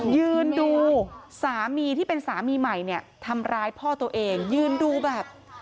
ยืนดูสามีที่เป็นสามีใหม่เนี่ยทำร้ายพ่อตัวเองยืนดูแบบ